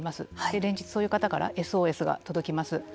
連日そういう方からＳＯＳが届きます。